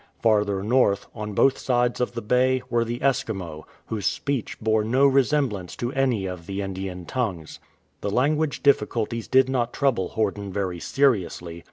Farther north, on both sides of the Bay, were the Eskimo, whose speech bore no resemblance to any of the Indian tongues. The language difficulties did not trouble Horden very seriously.